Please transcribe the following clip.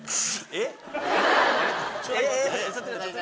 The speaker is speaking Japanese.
えっ？